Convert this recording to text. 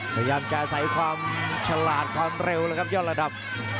พยายามจะใส่ความฉลาดความเร็วแล้วครับยอดระดับ